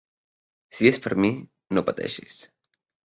Si és per mi, no pateixis.